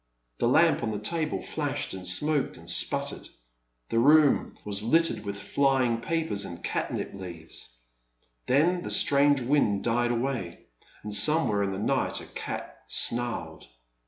The lamp on the table flashed and smoked and sputtered; the room was littered with flying papers and catnip leaves. Then the strange wind died away, and somewhere in the night a cat snarled.